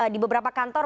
di beberapa kantor